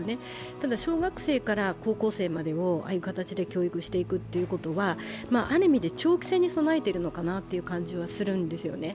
ただ小学生から高校生までをああいう形で教育していくということはある意味、長期戦に備えているのかなという感じはするんですよね。